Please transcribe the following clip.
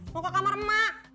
mau ke kamar emak